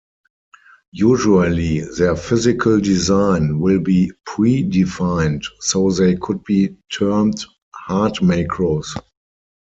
Usually their physical design will be pre-defined so they could be termed "hard macros".